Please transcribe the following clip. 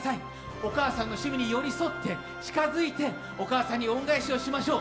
お母さんの趣味に寄り添って近づいてお母さんに恩返しをしましょう。